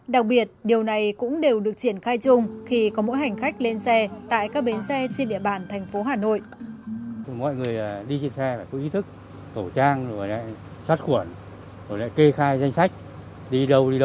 đặc biệt điều này cũng đều được triển khai chung khi có mỗi hành khách lên xe tại các bến xe trên địa bàn thành phố hà nội